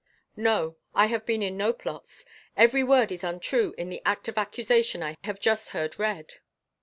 "No, I have been in no plots. Every word is untrue in the act of accusation I have just heard read."